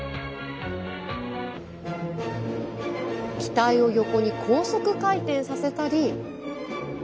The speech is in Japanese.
機体を横に高速回転させたり。